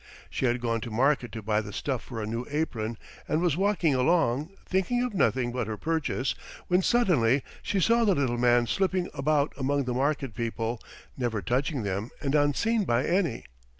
She had gone to market to buy the stuff for a new apron and was walking along, thinking of nothing but her purchase, when suddenly she saw the little man slipping about among the market people, never touching them and unseen by any.